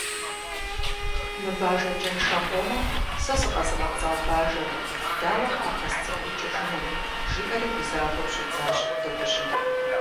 «Мы бажэ кӀэншэ къомым сэ сыкъэзыгъэпцӀа бажэр дауэ къахэсцӀыхукӀыжыну», – жиӀэри гузавэу щӀидзащ дыгъужьым.